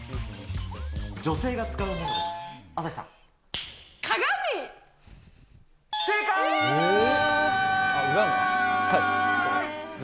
女性が使うものです。